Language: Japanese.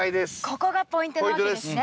ここがポイントなわけですね。